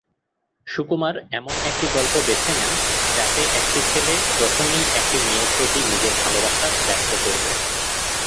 সুকুমার এমন একটি গল্প বেছে নেন যাতে একটি ছেলে প্রথমেই একটি মেয়ের প্রতি নিজের ভালোবাসা ব্যক্ত করবে।